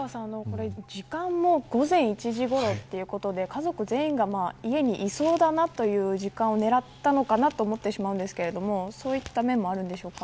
時間も午前１時ごろということで家族全員が家にいそうという時間を狙ったのかなと思ってしまいますがそういう面もあるんでしょうか。